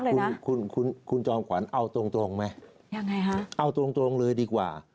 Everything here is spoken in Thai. ยังไงคะคุณจอมขวัญเอาตรงเลยดีกว่า